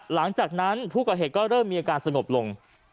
หลังจากนั้นผู้ก่อเหตุก็เริ่มมีอาการสงบลง